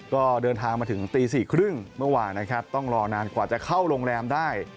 ก็เดินทางมาถึงตี๔๓๐เมื่อวานนะครับต้องรอนานกว่าจะเข้าโรงแรมได้